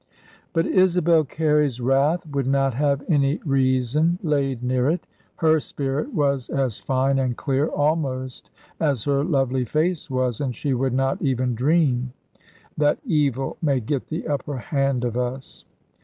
But Isabel Carey's wrath would not have any reason laid near it. Her spirit was as fine and clear almost as her lovely face was, and she would not even dream that evil may get the upper hand of us.